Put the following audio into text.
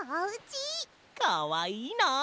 かわいいな。